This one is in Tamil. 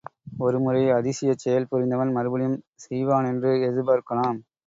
ஒரு முறை அதிசயச் செயல் புரிந்தவன் மறுபடியும் செய்வானென்று எதிர்பார்க்கலாம்.